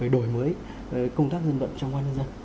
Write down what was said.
đổi mới công tác dân vận trong quan nhân dân